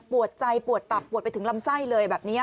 ใจปวดตับปวดไปถึงลำไส้เลยแบบนี้